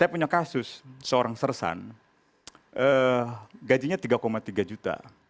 saya punya kasus seorang sersan gajinya tiga tiga juta